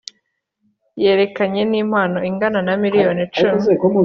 yerekeranye nimpano ingana na miliyoni cumi.